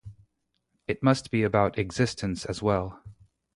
It must be about "existence" as well.